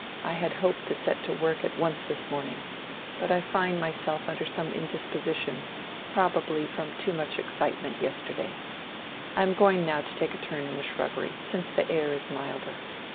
I had hoped to set to work at once this morning, but I find myself under some indisposition, probably from too much excitement yesterday. I am going now to take a turn in the shrubbery, since the air is milder."